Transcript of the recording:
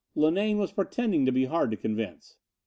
Linane was pretending to be hard to convince.